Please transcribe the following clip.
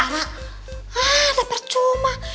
hah teper cuma